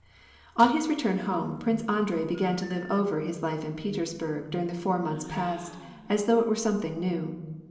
On his return home, Prince Andrei began to live over his life in Petersburg during the four months past, as though it were something new.